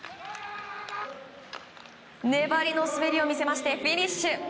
粘りの滑りを見せましてフィニッシュ。